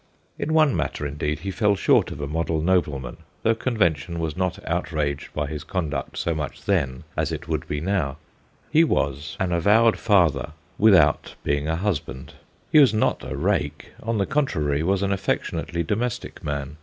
In one matter, indeed, he fell short of a model nobleman, though convention was not out raged by his conduct so much then as it would be now : he was an avowed father 130 THE GHOSTS OF PICCADILLY without being a husband. He was not a rake ; on the contrary, was an affectionately domestic man.